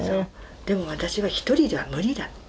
でも私は一人じゃ無理だった。